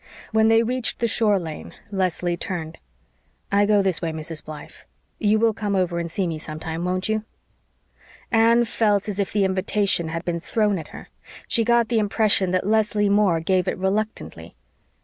When they reached the shore lane Leslie turned. "I go this way, Mrs. Blythe. You will come over and see me some time, won't you?" Anne felt as if the invitation had been thrown at her. She got the impression that Leslie Moore gave it reluctantly.